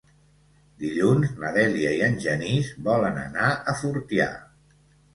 Dilluns na Dèlia i en Genís volen anar a Fortià.